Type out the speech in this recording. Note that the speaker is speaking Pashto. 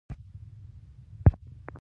دا جنسي عمل ده.